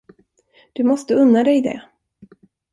Du måste unna dig det.